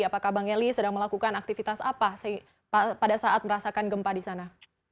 apakah bang eli sedang melakukan aktivitas apa pada saat merasakan gempa di sana